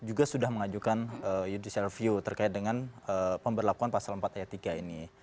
juga sudah mengajukan judicial review terkait dengan pemberlakuan pasal empat ayat tiga ini